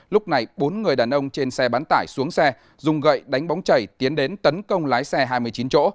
lúc này bốn người đàn ông trên xe bán tải xuống xe dùng gậy đánh bóng chảy tiến đến tấn công lái xe hai mươi chín chỗ